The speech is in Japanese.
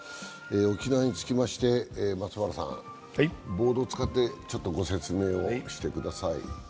沖縄につきまして、松原さん、ボードを使ってご説明をしてください。